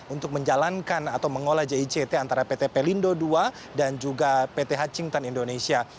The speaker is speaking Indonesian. untuk menjalankan atau mengolah jict antara pt pelindo ii dan juga pt hachington indonesia